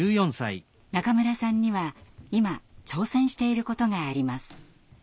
中村さんには今挑戦していることがあります。